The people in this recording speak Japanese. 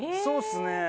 そうっすね。